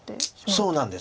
そうなんです。